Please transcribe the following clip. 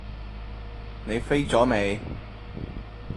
你飛咗未？